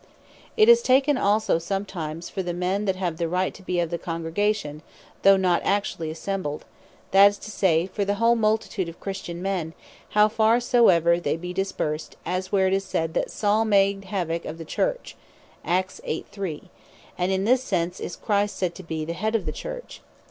It is taken also sometimes for the men that have right to be of the Congregation, though not actually assembled; that is to say, for the whole multitude of Christian men, how far soever they be dispersed: as (Act. 8.3.) where it is said, that "Saul made havock of the Church:" And in this sense is Christ said to be Head of the Church.